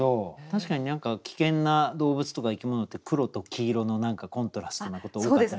確かに何か危険な動物とか生き物って黒と黄色のコントラストなこと多かったりしますよね。